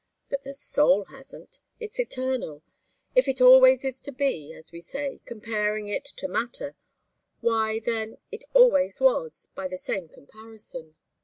But the soul hasn't. It's eternal. If it always is to be, as we say, comparing it to matter, why, then, it always was, by the same comparison.